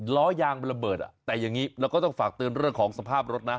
ล้อยางมันระเบิดแต่อย่างนี้เราก็ต้องฝากเตือนเรื่องของสภาพรถนะ